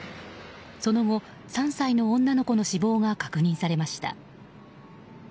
その後、３歳の女の子の死亡が確認されました。